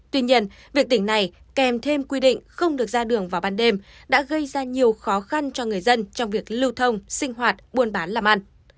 tuy nhiên việc tỉnh này kèm thêm quy định không được ra đường vào ban đêm đã gây ra nhiều khó khăn cho người dân trong việc lưu thông sinh hoạt buôn bán làm ăn